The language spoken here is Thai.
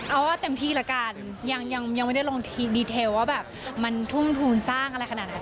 เอาว่าเต็มที่ละกันยังไม่ได้ลงดีเทลว่าแบบมันทุ่มทุนสร้างอะไรขนาดนั้น